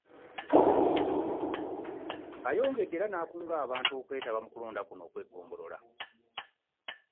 Ayongedde era n'akunga abantu okwetaba mu kulonda kuno n'okweggombolola